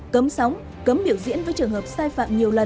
cấm sóng cấm biểu diễn với trường hợp sai phạm nhiều lần